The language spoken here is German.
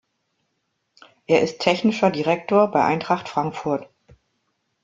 Er ist Technischer Direktor bei Eintracht Frankfurt.